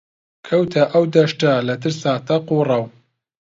کەوتە ئەو دەشتە لە ترسا تەق و ڕەو